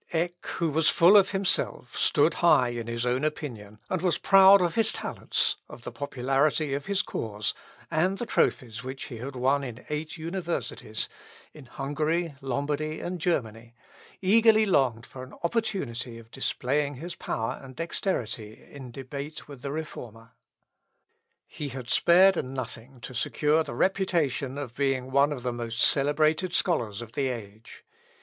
Eck, who was full of himself, stood high in his own opinion, and was proud of his talents, of the popularity of his cause, and the trophies which he had won in eight universities in Hungary, Lombardy, and Germany, eagerly longed for an opportunity of displaying his power and dexterity in debate with the Reformer. He had spared nothing to secure the reputation of being one of the most celebrated scholars of the age.